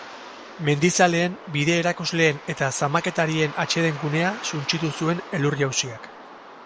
Mendizaleen, bide-erakusleen eta zamaketarien atseden-gunea suntsitu zuen elur-jausiak.